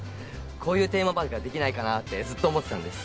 こういうテーマパークができないかなってずっと思ってたんです。